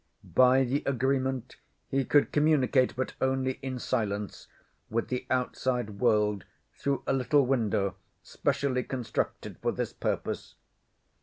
By the agreement he could communicate, but only in silence, with the outside world through a little window specially constructed for this purpose.